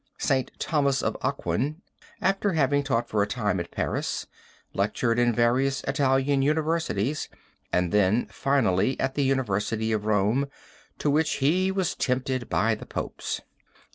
St. Thomas of Aquin, after having taught for a time at Paris, lectured in various Italian universities and then finally at the University of Rome to which he was tempted by the Popes.